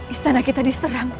istana kita diserang